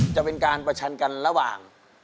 จะเป็นการประชันกันระหว่าง